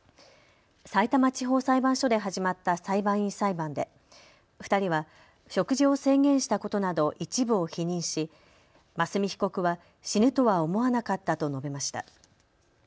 さいたま地方裁判所で始まった裁判員裁判で２人は食事を制限したことなど一部を否認し真純被告は死ぬとは思わなかったと述べました。